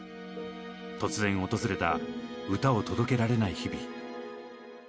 突然訪れた歌を届けられない日々。